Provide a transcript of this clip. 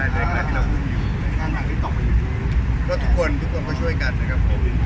ในระดับที่เราพุ่งอยู่เลยก็ทุกคนทุกคนก็ช่วยกันนะครับผม